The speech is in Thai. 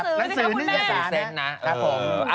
บทสูตรคำตอบเลยค่ะฉันเข้าใจเนียนเดียวนะ